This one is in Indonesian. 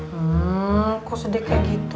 hmm kok sedih kayak gitu